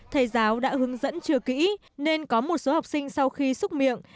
thầy giáo đã hướng dẫn chưa kỹ nên có một số học sinh sau khi xúc miệng